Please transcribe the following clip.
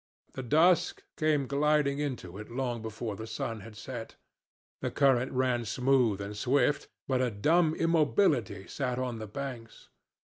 The dusk came gliding into it long before the sun had set. The current ran smooth and swift, but a dumb immobility sat on the banks.